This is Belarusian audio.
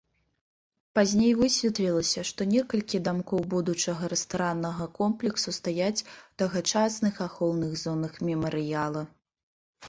Пазней высветлілася, што некалькі дамкоў будучага рэстараннага комплексу стаяць у тагачасных ахоўных зонах мемарыяла.